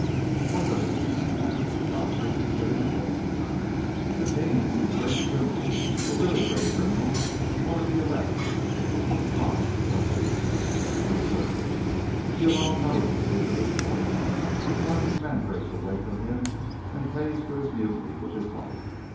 "What does it mean?" I asked, for Godfrey was getting ahead of me. "It means he is a great criminal a really great criminal one of the elect from whom crime has no secrets. Observe. He alone knows the secret of the poison; one of his men breaks away from him, and pays for his mutiny with his life.